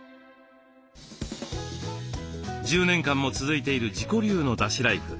１０年間も続いている自己流のだしライフ。